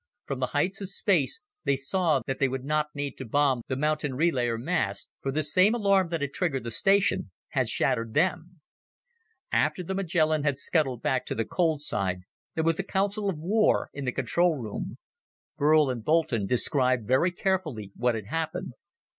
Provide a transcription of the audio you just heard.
From the heights of space, they saw that they would not need to bomb the mountain relayer masts for the same alarm that had triggered the station had shattered them. After the Magellan had scuttled back to the cold side, there was a council of war in the control room. Burl and Boulton described very carefully what had happened.